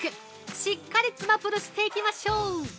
しっかりつまぷるしていきましょう。